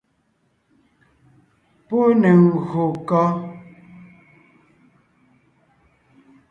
Pɔ́ ne ngÿô kɔ́?